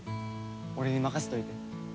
俺に任せといて。